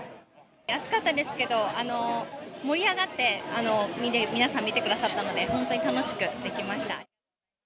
暑かったんですけど、盛り上がって、皆さん見てくださったので、本当に楽しくできました。